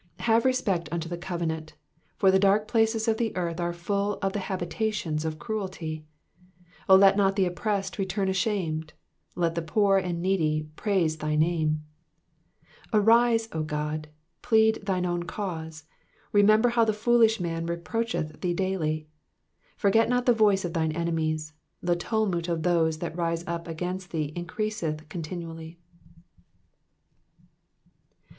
20 Have respect unto the covenant : for the dark places of the earth are full of the habitations of cruelty. 21 O let not the oppressed return ashamed : let the poor and needy praise thy name. 22 Arise, O God, plead thine own cause : remember how the foolish man reproacheth thee daily. Digitized by VjOOQIC 372 EXPOSITIONS OF THE PSALMS. 23 Forget not the voice of thine enemies : the tumult of those that rise up against thee increaseth continually.